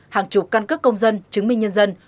hàng chục căn cức công dân chứng minh nhân dân